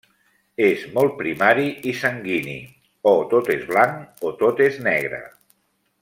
És molt primari i sanguini: o tot és blanc o tot és negre.